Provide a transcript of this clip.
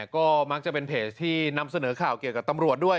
ก็มักจะเป็นเพจที่นำเสนอข่าวเกี่ยวกับตำรวจด้วย